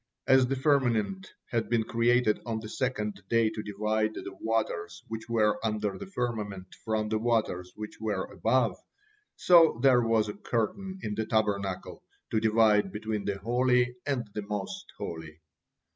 As the firmament had been created on the second day to divide the waters which were under the firmament from the waters which were above, so there was a curtain in the Tabernacle to divide between the holy and the most holy.